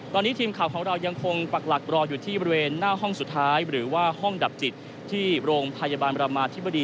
ตอนนี้ทีมข่าวของเรายังคงปักหลักรออยู่ที่บริเวณหน้าห้องสุดท้ายหรือว่าห้องดับจิตที่โรงพยาบาลประมาธิบดี